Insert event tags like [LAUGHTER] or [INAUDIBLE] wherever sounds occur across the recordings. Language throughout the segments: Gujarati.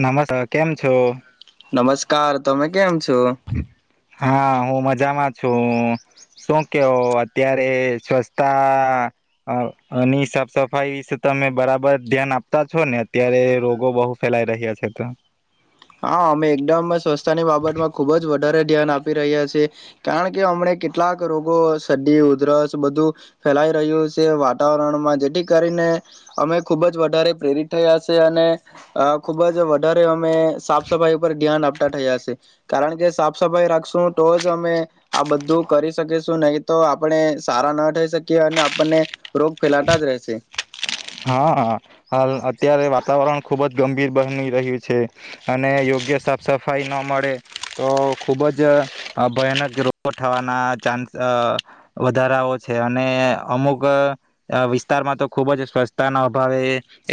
નમસ્કાર કેમ છો? નમસ્કાર તમે કેમ છ? હા હું મારી જામાં છું શું કેહો અત્યારે સ્વચ્છતાની સાફ સફાઈ વિશે તમે બરાબર ધ્યાન આપતા છો ને અત્યારે રોગો બહુ ફેલાઈ રહ્યા છે તો હા અમે એકદમ સ્વચ્છતાની બાબતમાં ખુબ જ વધારે ધ્યાન આપી રહ્યા છીએ કારણ કે અમને કેટલાક રોગો સદી ઉધરસ બધું ફેલાઈ રહ્યું છે વાતાવરણમાં જેથી કરીને અમે ખૂબ જ વધારે પ્રેરિત થયા છે અને ખુબ જ વધારે અમે સાફ સફાઈ ઉપર ધ્યાન આપતા થયા છે કારણ કે સાફ સફાઈ રાખશું તો જ અમે આ બધું કરી શકીશું નહી તો આપણે સારા ના થઈ શકીએ અને આપણને રોગ ફેલાતા જ રહેશે. હા હાલ અત્યારે વાતાવરણ ખૂબ જ ગંભીર બની રહ્યું છે, અને યોગ્ય સાફ સફાઈ ન મળે તો ખૂબ જ ભયાનક રોગો થવાના ચાન્સ વધારાઓ છે, અને અમુક વિસ્તારમાં તો ખૂબ જ સ્વસ્થ તાના અભાવે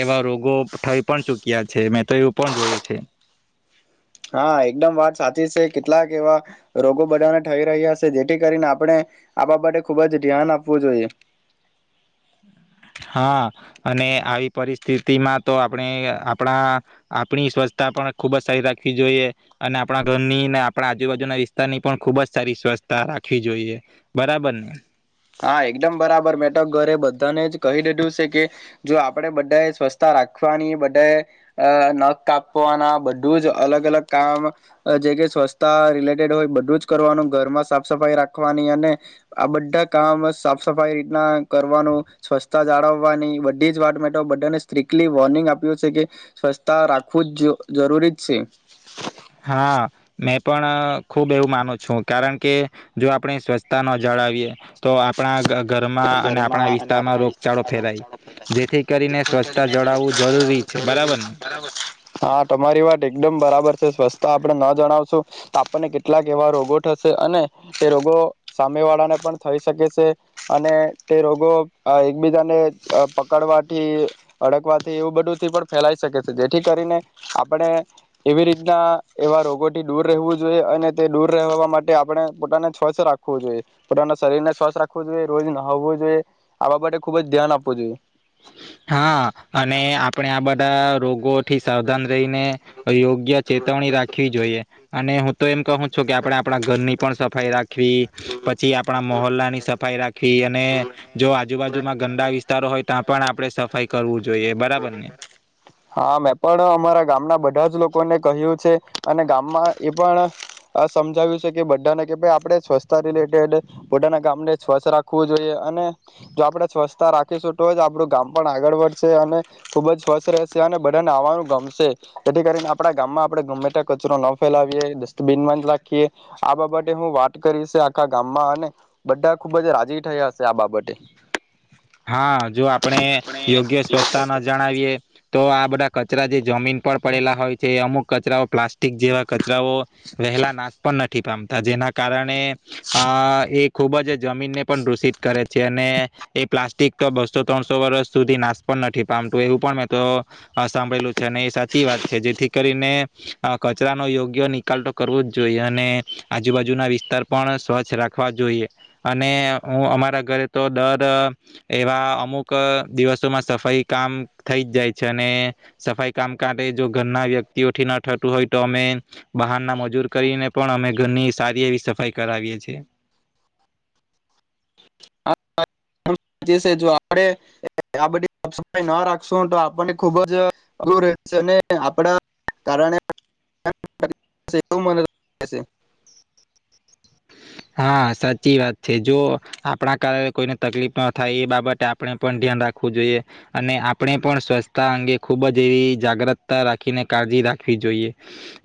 એવા રોગો થઈ પણ ચૂક્યા છે, મેં તો એવું પણ જોયું છે હા, એકદમ વાત સાચી છે, કેટલાક એવા રોગો બધાને થઈ રહ્યા છે જેથી કરીને આપણે આ બાબતે ખુબ જ ધ્યાન આપવું જોઈએ હા, અને આવી પરિસ્થિતિમાં તો આપણે, આપણા, આપણી સ્વચ્છતા પણ ખુબ જ સારી રાખવી જોઈએ અને આપણા ઘરની આપણા આજુબાજુના વિસ્તારની પણ ખુબ જ સારી સ્વચ્છતા રાખવી જોઈએ બરાબર ને હા, એકદમ બરાબર મેં તો ઘરે બધાને જ કહી દીધું છે, કે જો આપણે બધાએ સ્વચ્છતા રાખવાની બધાએ નખ કાપવાના બધું જ અલગ અલગ કામ જે કે સ્વચ્છતા રિલેટેડ હોય બધું જ કરવાનું ઘરમાં સાફ સફાઈ રાખવાની અને આ બધા કામ સાફ સફાઈ રીતના કરવાનું, સ્વચ્છતા જાળવવાની બધી જ વાટ મેઠો બધાને સ્ટ્રીકલી વોર્નિંગ આપ્યું છે, કે સ્વચ્છતા રાખવું જ જરૂરી જ શે હા, મેં પણ. ખૂબ એવું માનું છું કારણ કે. જો આપણે સ્વચ્છતા નો જળવીએ તો આપણા. અને આપણા ઘરમાં અને વિસ્તારમાં આપણા રોગચાળો વિસ્તારમાં ફેલાય રોગચળો ફેલાઈ, જેથી કરીને જેથી કરી સ્વચ્છતા ને જળાવવું સ્વચ્છતા જરૂરી જરૂરી બરાબર ને છે. બરાબર હા, તમારી વાત. એકદમ બરાબર છે. સ્વસ્તા આપણે ન જણાવશું આપણને કેટલાક એવા રોગો થશે, અને એ રોગો સામે વાળાને પણ થઈ શકે છે. અને તે રોગો એકબીજાને પકડવાથી, અડકવાથી એવું બધુંથી પણ ફેલાઈ શકે છે. જેથી કરીને આપણે એવી રીતના એવા રોગોથી દૂર રહેવું જોઈએ. અને તે દૂર રહેવા માટે આપણે પોતાને સ્વસ્છ રાખવું જોઈએ, પોતાના શરીરને સ્વસ્થ રાખે. ો જોઈએ રોજ ના હોવો જોઈએ આવા માટે ખુબ જ ધ્યાન આપવું જોઈએ [UNINTELLIGIBLE] હા, અને આપણે આ બધા રોગો થી સાવધાન રહીને યોગ્ય ચેતવણી રાખવી જોઈએ. અને હું તો એમ કહું છું કે આપડે આપણા ઘરની પણ સફાઈ રાખવી, પછી આપણા મહોલના. સફાઈ રાખી અને જો આજુબાજુમાં ગંદા વિસ્તારો હોય ત્યાં પણ. સફાઈ કરવું જોઈએ બરાબર ને હા, મેં પણ અમારા ગામના. બધા જ લોકોને કહ્યું છે અને ગામમાં એ પણ સમજાવ્યું છે કે બધાને કે ભાઈ આપણે સ્વસ્થ રિલેટેડ બધા ના. ગામને સ્વચ્છ રાખવું જોઈએ. અને જો આપણે સ્વચ્છતા રાખીશું તો જ આપડું ગામ પણ આગળ વધશે અને ખુબ જ સ્વચ્છ રહેશે, અને બધાને આવવાનું ગમશે. જેથી કરીને આપડા ગામમાં આપણે ગમે તો કચરો ન ફેલાવીએ, ડસ્ટબીનમાં જ નાખીએ. આ બાબતે હું વાત કરીશ આખા ગામમાં અને. બધા ખુબ જ રાજી થયા હશે આ બાબતે. હા, જો આપણે યોગ્ય સ્વચ્છતા ન જણાવીએ. તો આ બધા કચરા જે. જમીન પર પડેલા હોય છે, અમુક. કચરાઓ પ્લાસ્ટિક જેવા કચરાઓ વહેલા નાશ પણ નથી પામતા જેના કારણે અ, એક ખૂબ જ જમીનને પણ દૂષિત કરે છે, અને એ પ્લાસ્ટિક તો બસો- ત્રણસો વર્ષ સુધી નાશ પણ નથી પામતું એવું પણ મેં તો સાંભળેલું છે, અને એ સાચી વાત છે, જેથી કરીને કચરાનો યોગ્ય નિકાલ તો કરવો જ જોઈએ, અને આજુબાજુના વિસ્તાર પણ સ્વચ્છ રાખવા જોઈએ અને હું અમારા ઘરે તો દર એવા અમુક દિવસોમાં સફાઈ કામ થઈ જ જાય છે, અને સફાઈ કામ કાર જો ઘરના વ્યક્તિઓથી ના થતું હોય તો અમે બહારના મજૂર કરીને પણ અમે ઘરની સારી એવી સફાઈ કરાવીએ છીએ જો આપ આ બધી સાફ સફાઈ ના રાખશું તો આપણને ખુબ જ અઘરુ રહેશે અને આપણા કારણે [UNINTELLIGIBLE] એવુ મને લાગે શે હા, સાચી વાત છે જો આપણા કારણે કોઈને તકલીફ ના થાય એ બાબતે આપણે પણ ધ્યાન રાખવું જોઈએ અને આપણે પણ સ્વચ્છતા અંગે ખુબ જ એવી જાગૃતતા રાખીને કાળજી રાખવી જોઈએ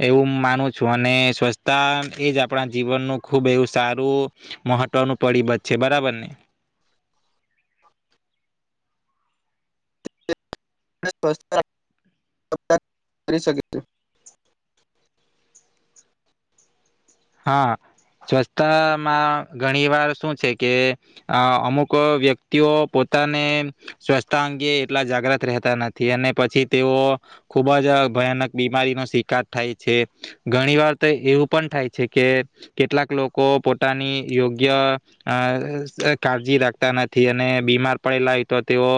એવું માનું છું અને સ્વચ્છતા એજ આપણા જીવનનું ખુબ એવું સારું મહત્વનું પડીબડ છે, બરાબર ને આપ બધા જ, બધા કરી શકે [UNINTELLIGIBLE] હા, સ્વચ્છતામાં ઘણી વાર શું છે કે અમુક વ્યક્તિઓ પોતાને સ્વચ્છતા અંગે એટલા જાગ્રત રહેતા નથી, અને પછી તેઓ ખુબ જ ભયાનક બીમારીનો શિકાર થાય છે, ઘણી વાર તો એવું પણ થાય છે કે કેટલાક લોકો પોતાની યોગ્ય અ કાળજી રાખતા નથી, અને બીમાર પડેલા હોય તો તેઓ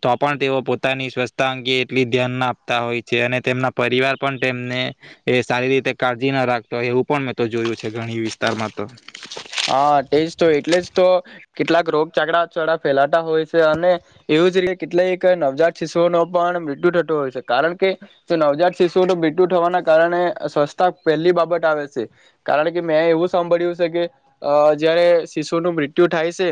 તો પણ તેઓ પોતાની સ્વચ્તા અંગે એટલી ધ્યાન ના આપતા હોય છે, અને તેમના પરિવાર પણ તેમને એ સારી રીતે કાળજી ના રાખતો હોય એવું પણ તો જોયું છે, ઘણી વિસ્તારમાં તો હા, તેજ તો એટલે જ તો કેટલાક રોગ ચાકડા ચોરા ફેલાતા હોય છે અને એવું જ રીતે એટલે એક નવજાત શિશુઓનો પણ મૃત્યુ થતો હોય છે, કારણ કે નવજાત શિશુઓ તો મૃત્યુ થવાના કારણે સ્વચ્છતા પહેલી બાબત આવે શે, કારણ કે મેં એવું સાંભળ્યું શે કે અ જયારે શિશુને મૃત્યુ થાય શે,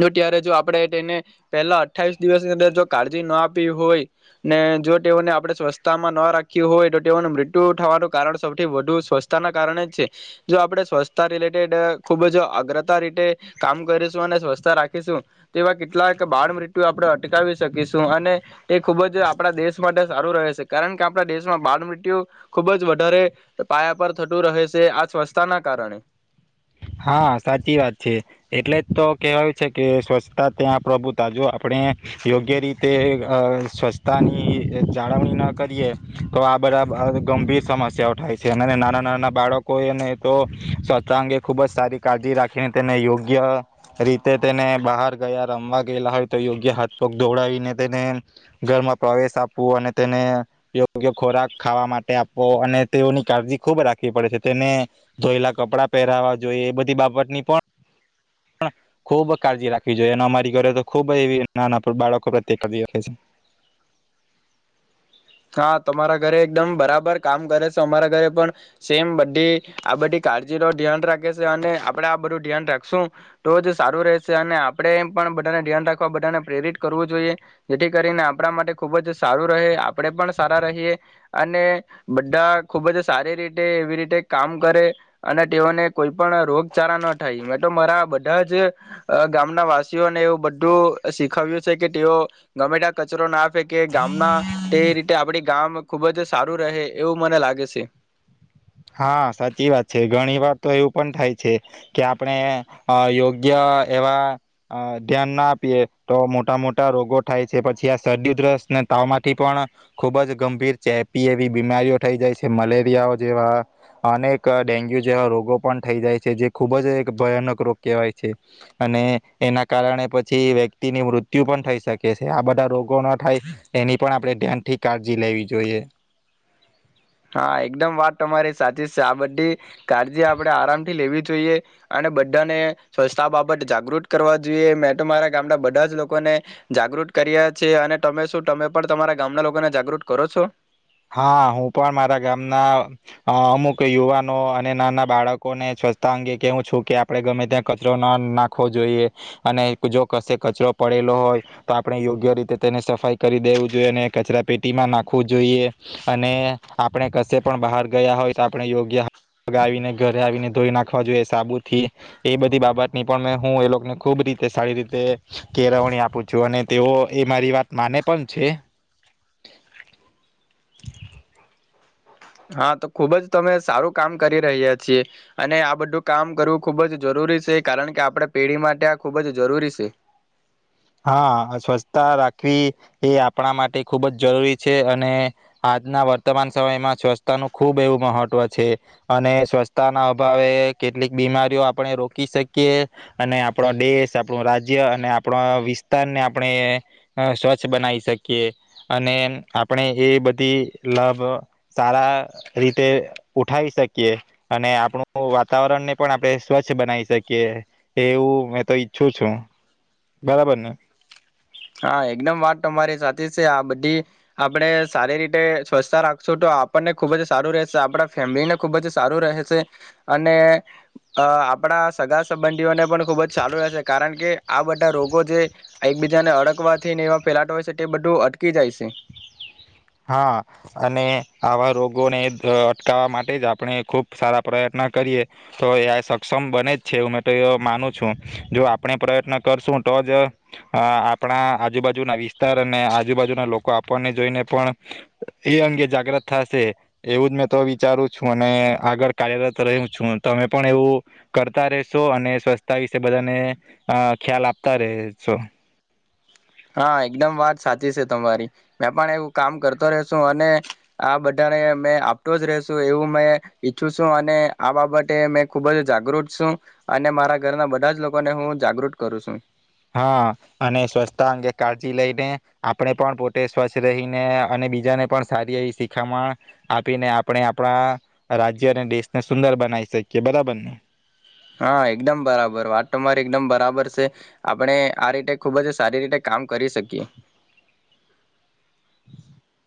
તો ત્યારે જો આપણે તેને પહેલા અઠ્ઠાવીસ દિવસની અંદર જો કાળજી ના આપી હોય ને જો તેઓને આપણે સ્વચ્છતામાં ન રાખ્યું હોય, તો તેઓનું મૃત્યુ થવાનું કારણ સૌથી વધુ સ્વચ્છતાના કારણે જ છે જો આપણે સ્વચ્છતા ખુબ જ અગ્રતા રીતે કામ કરીશું અને સ્વચ્થતા રાખીશું, તેવા કેટલાક બાળ મૃત્યુ આપણે અટકાવી શકીશું, અને તે ખુબ જ આપણા દેશ માટે સારું રહે છે, કારણ કે આપણા દેશમાં બાળ મૃત્યુ ખુબ જ વધારે પાયા પર થતું રહે શે આ સ્વચ્છતાના કારણે હા, સાચી વાત છે. એટલે જ તો કેહેવાયું છે કે સ્વચ્છતા ત્યાં પ્રભુતા જો આપણે યોગ્ય રીતે સ્વચ્છતાની જાળવણી ન કરીએ તો આ બધા ગંભીર સમસ્યાઓ થાય છે, અને નાના નાના બાળકો એને તો સ્વચ્છતા અંગે ખૂબ જ સારી કાળજી રાખીને, તેને યોગ્ય રીતે તેને બહાર ગયા રમવા ગયેલા હોય તો યોગ્ય હાથપગ દોડાવીને તેને ઘરમાં પ્રવેશ આપવો, અને તેને યોગ્ય ખોરાક ખાવા માટે આપવો અને તેઓની કાળજી ખૂબ રાખવી પડે છે, તેને ધોયેલા કપડાં પહેરાવા જોઈ એ, બધી બાબતની પણ પણ ખૂબ કાળજી રાખવી જોઈએ, અને અમારી ઘરે તો ખૂબ એવી નાના બાળકો પ્રત્યે કાળજી રાખે છે. હા, તમારા ઘરે એકદમ બરાબર કામ કરે છે, અમારા ઘરે પણ સેમ બધી આ બધી કાળજી ન ધ્યાન રાખે છે, અને આપડે આ બધું ધ્યાન રાખશું તો જ સારું રહેશે અને આપણે પણ બધાને ધ્યાન રાખવા બધાને પ્રેરિત કરવું જોઈએ જેથી કરીને આપણા માટે ખુબ જ સારું રહે. આપણે પણ સારા રહીએ અને બધા ખુબ જ સારી રીતે એવી રીતે કામ કરે અને તેઓને કોઈ પણ રોગચાળા ન થાય મેં તો મારા બધા જ અ ગામના વાસીઓને એવું બધું શીખવ્યું છે કે તેઓ ગમે તા કચરો ના ફેકે ગામના તે રીતે આપડી ગામ ખુબ જ સારું રહે એવું મને લાગે છે. હા સાચી વાત છે ઘણી વાર તો એવું પણ થાય છે કે આપણે અ યોગ્ય એવા અ ધ્યાન ના આપીએ તો મોટા મોટા રોગો થાય છે પછી આ સરદી દ્રસ્તને તાવ માંથી પણ ખુબ જ ગંભીર ચેપી એવી બીમારીઓ થઈ જાય છે મલેરિયાઓ જેવા અનેક ડેન્ગ્યુ જેવા રોગો પણ થઈ જાય છે જે ખૂબ જ ભયાનક રોગ કહેવાય છે અને એના કારણે પછી વ્યક્તિની મૃત્યુ પણ થઈ શકે છે આ બધા રોગો ન થાય એની પણ આપણે ધ્યાનથી કાળજી લેવી જોઈએ. હા એકદમ વાત તમારી સાચી છે આ બધી કાળજી આપણેે આરામ થી લેવી જોઈએ અને બધાને સ્વચ્છતા બાબત જાગૃત કરવા જોઈએ મેં તો મારા ગામના બધા જ લોકોને જાગૃત કર્યા છે અને તમે શું તમે પણ તમારા ગામના લોકોને જાગૃત કરો છો? હા હું પણ મારા ગામના અ અમુક યુવાનો અને નાના બાળકોને સ્વચ્છતા અંગે કવું છું કે આપડે ગમે ત્યાં કચરો ના નાખવો જોઈએ અને જો કશે કચરો પડેલો હોય તો આપણે યોગ્ય રીતે તેને સફાઈ કરી દેવું જોઈએ અને કચરા પેટીમાં નાખવું જોઈએ. અને આપણે કશે પણ બહાર ગયા હોય તો આપણે યોગ્ય આવીને ઘરે આવીને ધોઈ નાખવા જોઈએ સાબુથી. એ બધી બાબતની પણ હું એ લોકોને ખુબ રીતે સારી રીતે કેળવણી આપું છું અને તેઓ એ મારી વાત માને પણ છે. હા તો ખુબ જ તમે સારું કામ કરી રહ્યા છીએ અને આ બધું કામ કરવું ખુબ જ જરૂરી છે કારણ કે આપડા પેઢી માટે આ ખુબ જ જરૂરી સે. હા સ્વરછતા રાખવી એ આપણા માટે ખુબ જ જરૂરી છે અને આજના વર્તમાન સમયમાં સ્વચ્છતા નું ખૂબ એવું મહત્વ છે અને સ્વરછતાના અભાવે કેટલીક બીમારીઓ આપણે રોકી શકીએ અને આપણો દેશ આપણું રાજ્ય અને આપણા વિ વિસ્તારને આપણે અ સ્વચ્છ બનાવી શકીએ અને આપણે એ બધી લાભ સારા રીતે ઉઠાવી શકીએ અને આપણું વાતાવરણને પણ આપણે સ્વચ્છ બનાવી શકીએ એવું મેં તો ઈચ્છું છું. બરાબરને? હા એકદમ વાત તમારી સાચી જ છે આ બધી આપણે સારી રીતે સ્વચ્છતા રાખશું તો આપણને ખૂબ જ સારું રહેશે આપણા ફેમિલીને ખૂબ જ સારું રહેશે અને અ આપણા સગા સંબંધીઓને પણ ખૂબ જ સારું રહેશે કારણ કે આ બધા રોગો જે એકબીજાને અડગ ટકવાથી ને એમાં ફેલાટો હોય છે તે બધું અટકી જાય છે. હા અને આવા રોગોને અટકાવવા માટે જ આપણે ખુબ સારા પ્રયત્ન કરીએ તો એ સક્ષમ બને જ છે હુંં તો એ માનું છું જો આપણે પ્રયત્ન કરશું તો જ અ આપણા આજુબાજુના વિસ્તાર અને આજુબાજુના લોકો આપણને જોઈને પણ એ અંગે જાગ્રત થશે એવું જ મેં તો વિચારું છું અને આગળ કાર્યરત રેહુ છું તમે પણ એવું કરતા રહેશો અને સ્વરછતા વિશે બધાને આ ખ્યાલ આપતા રહેશો. હા એકદમ વાત સાચી છે તમારી મેં પણ એવું કામ કરતો રેસુ અને આ બધાને મે આપતો જ રેસુ એવું મેં ઈચ્છું છું અને આ બાબતે મે ખુબ જ જાગૃત છું અને મારા ઘરના બધા જ લોકોને હું જાગૃત કરું છું. હા અને સ્વચ્છતા અંગે કાળજી લઈને આપણે પણ પોતે સ્વચ્છ રહીને અને બીજાને પણ સારી એવી શીખામણ આપીને આપણે આપણા રાજ્ય અને દેશને સુંદર બનાવી શકીએ બરાબરને? હા એકદમ બરાબર વાત તમારી એકદમ બરાબર છે આપણે આ રીતે ખુબ જ સારી રીતે કામ કરી શકીએ.